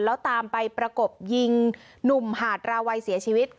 แล้วตามไปประกบยิงหนุ่มหาดราวัยเสียชีวิต